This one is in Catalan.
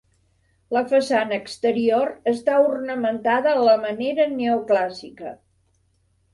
La façana exterior està ornamentada a la manera neoclàssica.